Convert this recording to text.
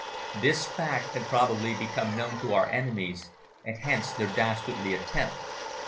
This fact had probably become known to our enemies, and hence their dastardly attempt.